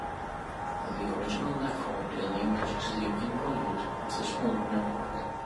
The original nephroid in the image is the involute of the smaller nephroid.